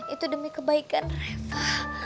itu demi kebaikan reva